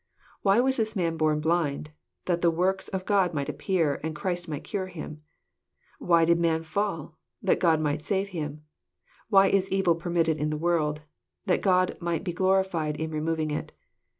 Why was this man born blind ? That the works of God might appear, and Christ might cure him. — Why did man fall? That God might save him. — Why is evil permit ted in the world ? That God may be glorified in removing it.